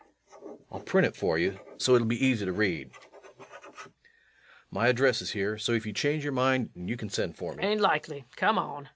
_] I'll print it for you, so it'll be easy to read. My address is here, so if you change your mind you can send for me. LUKE. 'Tain't likely come on.